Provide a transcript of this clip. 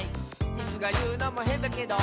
「イスがいうのもへんだけど」